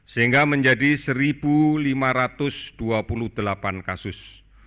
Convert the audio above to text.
sehingga menjadi satu lima ratus dua puluh delapan kasus